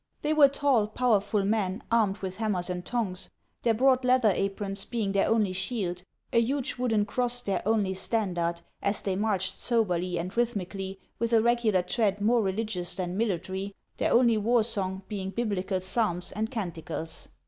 They were tall, powerful men, armed with hammers and tongs, their broad leather aprons being their only shield, a huge wooden cross their only standard, as they marched soberly and rhythmically, with a regular tread more religious than military, their only war song being Biblical psalms and canticles.